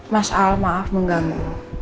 mas al maaf mengganggu